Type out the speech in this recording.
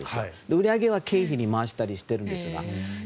売り上げは警備に回したりしているんですが。